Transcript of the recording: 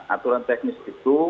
aturan teknis itu